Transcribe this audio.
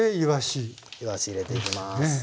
いわし入れていきます。